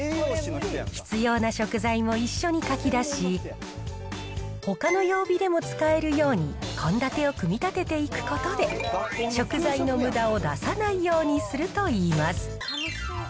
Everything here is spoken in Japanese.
必要な食材を一緒に書きだし、ほかの曜日でも使えるように献立を組み立てていくことで、食材のむだを出さないようにするといいます。